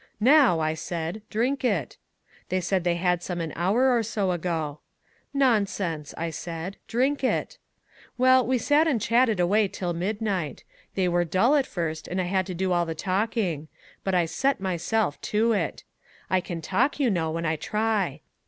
'Now,' I said, 'drink it.' They said they had some an hour or so ago. 'Nonsense,' I said, 'drink it.' Well, we sat and chatted away till midnight. They were dull at first and I had to do all the talking. But I set myself to it. I can talk, you know, when I try.